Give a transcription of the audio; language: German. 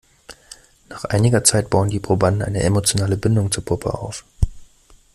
Nach einiger Zeit bauen die Probanden eine emotionale Bindung zur Puppe auf.